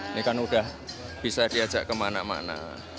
ini kan sudah bisa diajak kemana mana